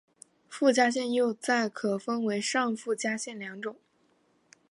附加线又再可分为上附加线两种。